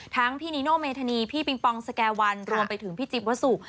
ทั้งพี่นิโน่เมธณีพี่ปิงปองแสกรวันรวมไปถึงพี่จิบวะสุ